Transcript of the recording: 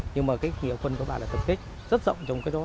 nhưng mà cái nghĩa quân của bà là tập kết rất rộng trong cái đó